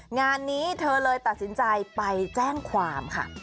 งานนี้เธอเลยตัดสินใจไปแจ้งความค่ะ